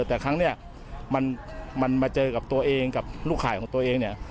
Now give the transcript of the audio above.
แต่ครั้งนี้มันมาเจอกับตัวเองกับลูกขายของตัวเองเนี่ย